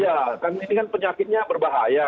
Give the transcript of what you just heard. ini kan penyakitnya berbahaya